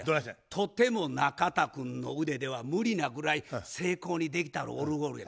とても中田君の腕では無理なぐらい精巧にできたオルゴールや。